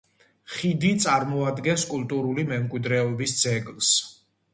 ხიდი წარმოადგენს კულტურული მემკვიდრეობის ძეგლს.